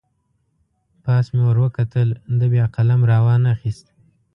پاس مې ور وکتل، ده بیا قلم را نه واخست.